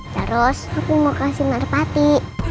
terus aku mau kasih merpati